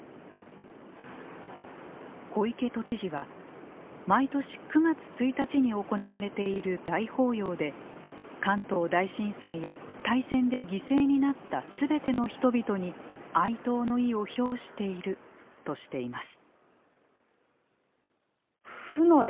小池都知事は、毎年９月１日に行われている大法要で関東大震災や大戦で犠牲になったすべての人々に哀悼の意を表しているとしています。